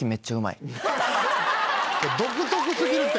独特すぎるって！